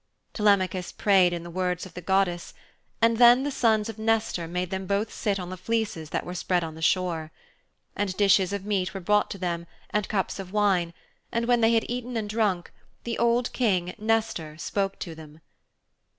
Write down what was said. Telemachus prayed in the words of the goddess and then the sons of Nestor made them both sit on the fleeces that were spread on the shore. And dishes of meat were brought to them and cups of wine, and when they had eaten and drunk, the old King, Nestor, spoke to them.